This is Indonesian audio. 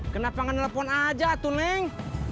kenapa gak nelfon aja tuh neng